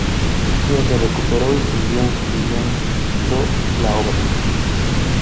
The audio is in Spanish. Ella se recuperó y siguió escribiendo la obra.